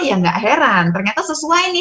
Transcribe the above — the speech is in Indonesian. ya nggak heran ternyata sesuai nih